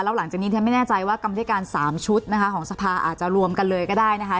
แล้วหลังจากนี้ฉันไม่แน่ใจว่ากรรมธิการ๓ชุดนะคะของสภาอาจจะรวมกันเลยก็ได้นะคะ